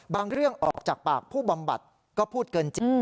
บางเรื่องออกจากปากผู้บำบัดก็พูดเกินจริง